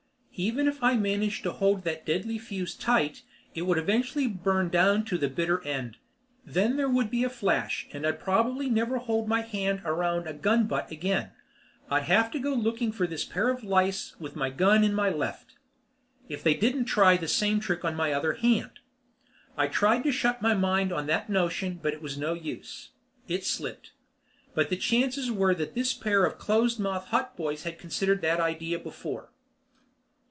Even if I managed to hold that deadly fuse tight, it would eventually burn down to the bitter end. Then there would be a flash, and I'd probably never hold my hand around a gun butt again. I'd have to go looking for this pair of lice with my gun in my left. If they didn't try the same trick on my other hand. I tried to shut my mind on that notion but it was no use. It slipped. But the chances were that this pair of close mouthed hotboys had considered that idea before.